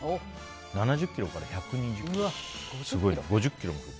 ７０ｋｇから１２０ｋｇってすごいな、５０ｋｇも。